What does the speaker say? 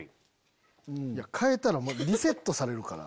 変えたらリセットされるから。